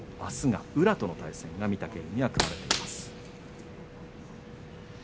あすは宇良との取組です。